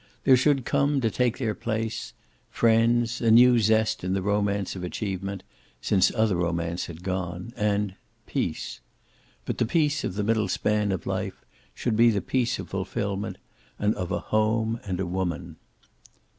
There should come, to take their place, friends, a new zest in the romance of achievement, since other romance had gone, and peace. But the peace of the middle span of life should be the peace of fulfillment, and of a home and a woman.